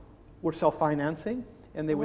dan mereka akan menjaga kembali